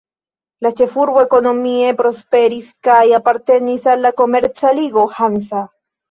La ĉefurbo ekonomie prosperis kaj apartenis al la komerca ligo Hansa.